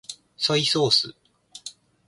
ソイソース